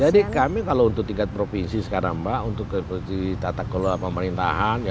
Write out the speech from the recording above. jadi kami kalau untuk tingkat provinsi sekarang mbak untuk keputusan tata kelola pemerintahan